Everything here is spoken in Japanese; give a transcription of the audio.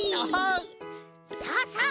さあさあ